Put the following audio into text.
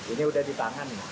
ini sudah di tangan